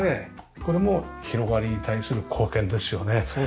これも広がりに対する貢献ですよね。